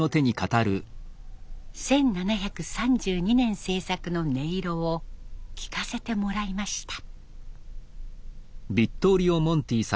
１７３２年製作の音色を聴かせてもらいました。